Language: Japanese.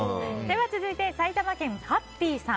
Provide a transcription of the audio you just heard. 続いて、埼玉県の方。